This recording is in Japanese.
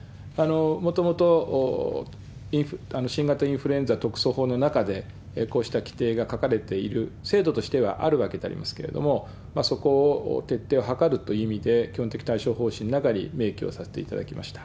もともと新型インフルエンザ特措法の中で、こうした規定が書かれている、制度としてはあるわけでありますけれども、そこを徹底を図るという意味で、基本的対処方針の中に明記をさせていただきました。